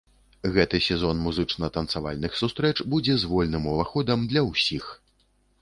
Гэты сезон музычна-танцавальных сустрэч будзе з вольным уваходам для ўсіх!